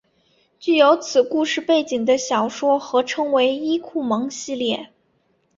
具有此故事背景的小说合称为伊库盟系列。